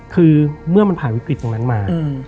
คือเมื่อมันผ่านวิกฤตตรงนั้นมา